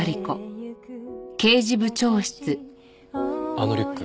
あのリュック